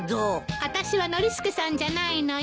私はノリスケさんじゃないのよ。